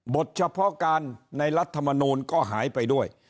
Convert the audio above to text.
เฉพาะการในรัฐมนูลก็หายไปด้วย